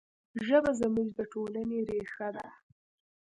ژبه زموږ د ټولنې ریښه ده.